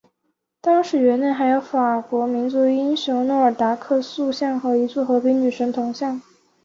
当时园内还有法国民族英雄诺尔达克塑像和一座和平女神铜像。